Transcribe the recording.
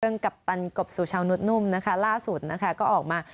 กัปตันกบสุชาวนุษนุ่มนะคะล่าสุดนะคะก็ออกมา